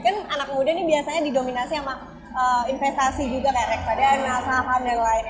kan anak muda ini biasanya didominasi sama investasi juga kayak reksadana saham dan lain